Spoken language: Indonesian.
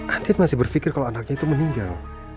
andien masih berfikir kalau anaknya itu meninggal